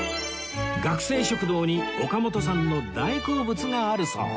学生食堂に岡本さんの大好物があるそう